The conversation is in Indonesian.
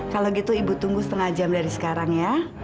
kalau gitu ibu tunggu setengah jam dari sekarang ya